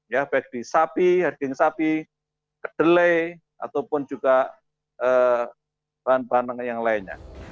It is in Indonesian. ya baik di sapi daging sapi kedelai ataupun juga bahan bahan yang lainnya